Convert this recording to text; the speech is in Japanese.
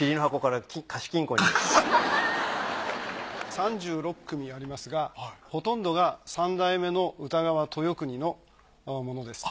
３６組ありますがほとんどが三代目の歌川豊国のものです。